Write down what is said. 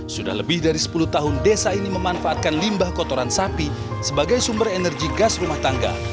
sudah lebih dari sepuluh tahun desa ini memanfaatkan limbah kotoran sapi sebagai sumber energi gas rumah tangga